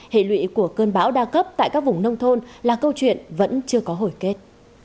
hệ lụy của cơn bão đa cấp tại các vùng nông thôn là câu chuyện vẫn chưa có hồi kết